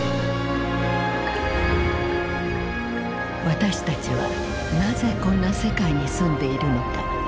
私たちはなぜこんな世界に住んでいるのか。